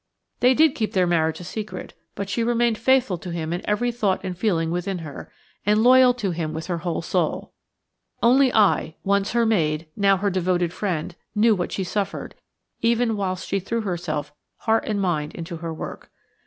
They did keep their marriage a secret, but she remained faithful to him in every thought and feeling within her, and loyal to him with her whole soul. Only I–once her maid, now her devoted friend–knew what she suffered, even whilst she threw herself heart and mind into her work.